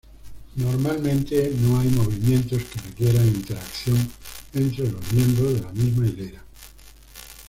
Normalmente no hay movimientos que requieran interacción entre los miembros de la misma hilera.